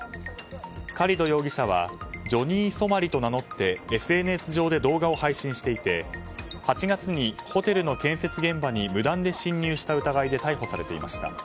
カリド容疑者はジョニー・ソマリと名乗ってＳＮＳ上で動画を配信していて８月にホテルの建設現場に無断で侵入した疑いで逮捕されていました。